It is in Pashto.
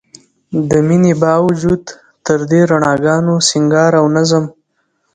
د مينې باوجود تر دې رڼاګانو، سينګار او نظم